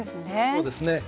そうですね。